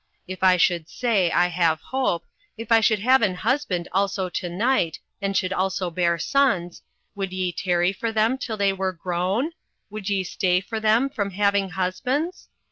If I should say, I have hope, if I should have an husband also to night, and should also bear sons; 08:001:013 Would ye tarry for them till they were grown? would ye stay for them from having husbands?